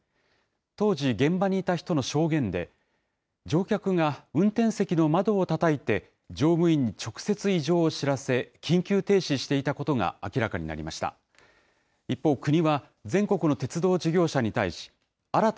当時、現場にいた人の証言で、乗客が運転席の窓をたたいて、乗務員に直接異常を知らせ、緊急停止していたことが明らかになりました。